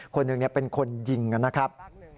คนหนึ่งเป็นคนยิงนะครับ